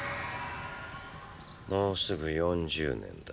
もうすぐ４０年だ。